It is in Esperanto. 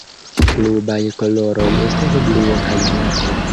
Klubaj koloroj estas bluo kaj blanko.